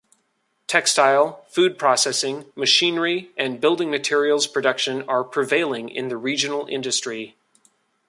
Textile, food processing, machinery, and building materials production are prevailing in the regional industry.